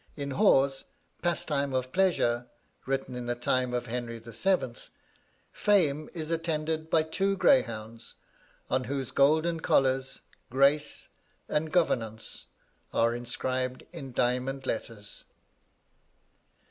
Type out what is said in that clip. In Hawes' "Pastime of Pleasure," (written in the time of Henry VII.) Fame is attended by two greyhounds, on whose golden collars, "Grace" and "Governaunce" are inscribed in diamond letters.